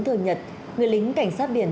thường nhật người lính cảnh sát biển